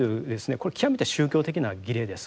これは極めて宗教的な儀礼です。